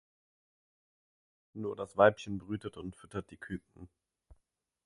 Nur das Weibchen brütet und füttert die Küken.